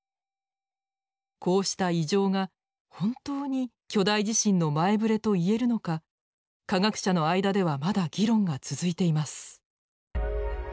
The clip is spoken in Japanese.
こうした異常が本当に巨大地震の前ぶれと言えるのか科学者の間ではまだ議論が続いています。